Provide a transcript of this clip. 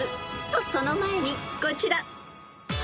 ［とその前にこちら］